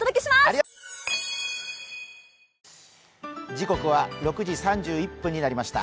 時刻は６時３１分になりました